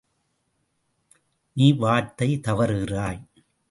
நீ வார்த்தை தவறுகிறாய்!